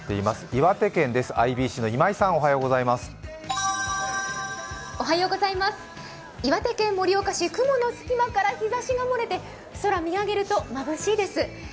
岩手県盛岡市、雲の隙間から日ざしが漏れて空を見上げるとまぶしいです。